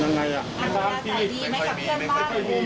อันดับตายละกี่ไม่ค่อยมี